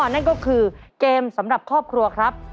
นั่นก็คือเกมสำหรับครอบครัวครับ